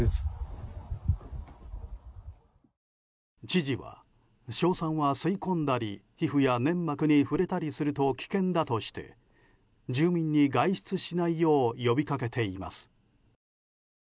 知事は硝酸は吸い込んだり皮膚や粘膜に触れたりすると危険だとして住民に外出しないよう呼び掛けています。